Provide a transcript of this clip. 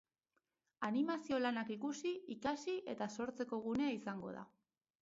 Animazio lanak ikusi, ikasi eta sortzeko gunea izango da.